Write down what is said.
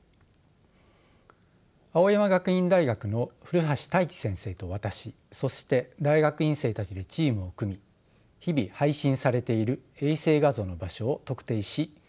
青山学院大学の古橋大地先生と私そして大学院生たちでチームを組み日々配信されている衛星画像の場所を特定し公開し続けています。